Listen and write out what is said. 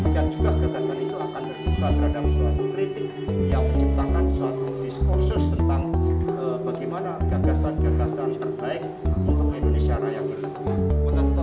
dan juga gagasan itu akan terbuka terhadap suatu kritik yang menciptakan suatu diskursus tentang bagaimana gagasan gagasan terbaik untuk indonesia raya berlaku